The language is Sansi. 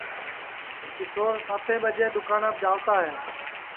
کیشور ساتیں ٻجیں دؔوکاناپ جاتا ہے